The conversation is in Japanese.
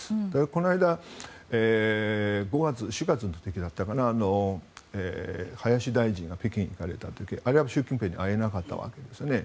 この間、５月の時だったかな林大臣が北京に行かれた時は習近平には会えなかったわけです。